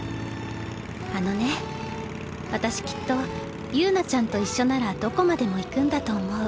あのね私きっと友奈ちゃんと一緒ならどこまでも行くんだと思う。